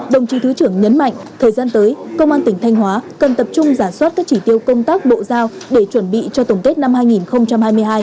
đồng chí thứ trưởng nhấn mạnh thời gian tới công an tỉnh thanh hóa cần tập trung giả soát các chỉ tiêu công tác bộ giao để chuẩn bị cho tổng kết năm hai nghìn hai mươi hai